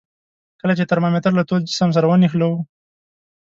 کله چې ترمامتر له تود جسم سره ونښلولو.